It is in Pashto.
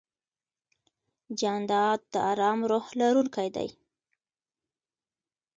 جانداد د ارام روح لرونکی دی.